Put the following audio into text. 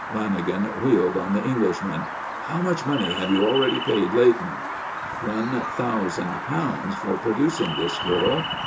Lanagan wheeled on the Englishman. "How much money have you already paid Leighton?" "One thousand pounds for producing this girl.